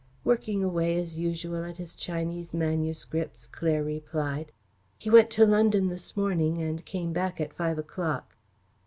"Working away as usual at his Chinese manuscripts," Claire replied. "He went to London this morning and came back at five o'clock."